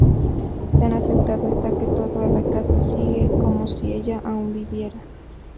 Tan afectado está que todo en la casa sigue como si ella aún viviera.